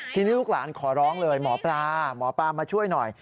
ทีนี้ลูกหลานขอร้องเลยหมอปลาหมอปลามาช่วยหน่อย